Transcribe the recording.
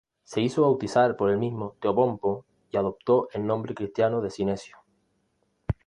Se hizo bautizar por el mismo Teopompo y adoptó el nombre cristiano de Sinesio.